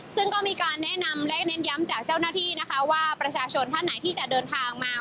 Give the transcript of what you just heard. ซึ่งก็มีการแนะนำและเน้นย้ำจากเจ้าหน้าที่นะคะว่าประชาชนท่านไหนที่จะเดินทางมา